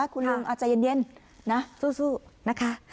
คุณลุงใจเย็นสู้นะคะ